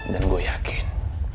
dan gue yakin